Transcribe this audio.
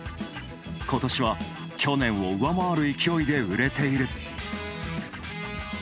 ことしは去年を上回る勢いで売れている。